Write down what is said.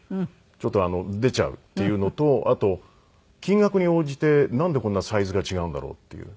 ちょっと出ちゃうっていうのとあと金額に応じてなんでこんなサイズが違うんだろうっていう。